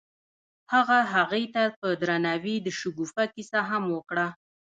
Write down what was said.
هغه هغې ته په درناوي د شګوفه کیسه هم وکړه.